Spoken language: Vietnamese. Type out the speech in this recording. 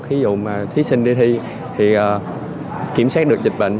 thí dụ mà thí sinh đi thi thì kiểm soát được dịch bệnh